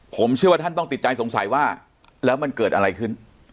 ผมเชื่อว่าท่านต้องติดใจสงสัยว่าแล้วมันเกิดอะไรขึ้น